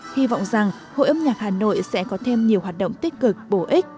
hy vọng rằng hội âm nhạc hà nội sẽ có thêm nhiều hoạt động tích cực bổ ích